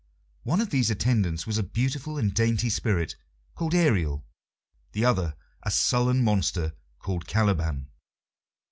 One of these attendants was a beautiful and dainty spirit called Ariel, the other a sullen monster called Caliban.